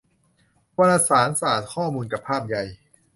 วารสารศาสตร์ข้อมูลกับภาพใหญ่